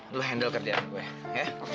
lu handle kerjaan gua ya